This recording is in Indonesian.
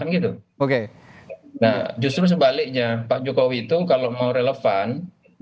nah justru sebaliknya pak jokowi itu kalau mau relevan di periode ini dia harus relevan